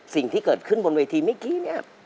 สิ่งที่เกิดขึ้นบนเวทีเมื่อกี้เนี่ย